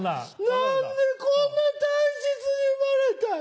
何でこんな体質に生まれたんや。